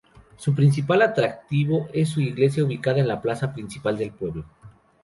Su principal atractivo es su iglesia ubicada en la plaza principal del pueblo.